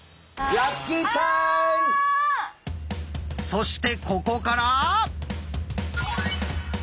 そしてここから。